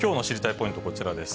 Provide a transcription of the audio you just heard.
ポイント、こちらです。